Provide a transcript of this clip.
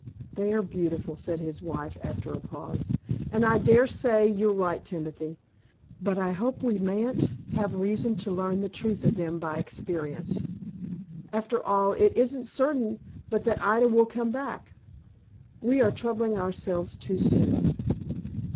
"They are beautiful," said his wife, after a pause; "and I dare say you're right, Timothy; but I hope we mayn't have reason to learn the truth of them by experience. After all, it isn't certain but that Ida will come back. We are troubling ourselves too soon."